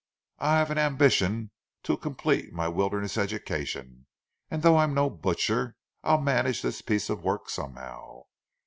I've an ambition to complete my wilderness education, and though I'm no butcher, I'll manage this piece of work somehow.